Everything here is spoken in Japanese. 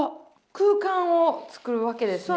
空間をつくるわけですね。